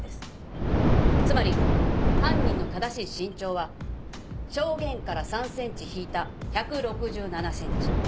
つまり犯人の正しい身長は証言から３ｃｍ引いた１６７ｃｍ。